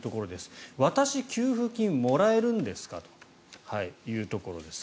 私、給付金もらえるんですか？というところです。